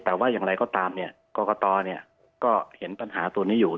แต่ว่าอย่างไรก็ตามเนี่ยกรกตก็เห็นปัญหาตัวนี้อยู่